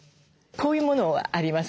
こういうものはあります。